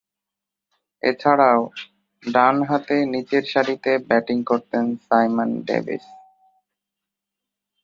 এছাড়াও, ডানহাতে নিচেরসারিতে ব্যাটিং করতেন সাইমন ডেভিস।